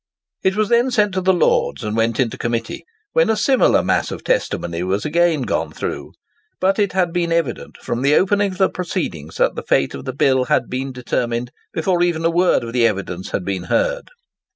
It was then sent to the Lords, and went into Committee, when a similar mass of testimony was again gone through. But it had been evident, from the opening of the proceedings, that the fate of the bill had been determined before even a word of the evidence had been heard.